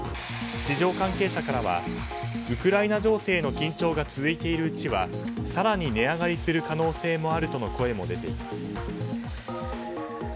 市場関係者からはウクライナ情勢の緊張が続いているうちは更に値上がりする可能性もあるとの声も出ています。